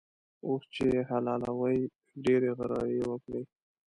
اوښ چې يې حلالوی؛ ډېرې غرغړې يې وکړې.